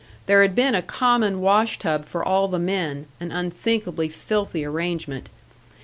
There had been a common wash tub for all the men, an unthinkably filthy arrangement.